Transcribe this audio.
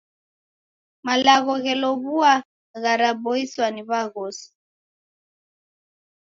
Malagho ghelow'ua gharaboiswa ni w'aghosi.